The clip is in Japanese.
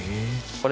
これ。